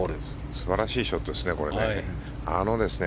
素晴らしいショットですね。